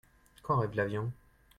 Quand arrive l'avion ?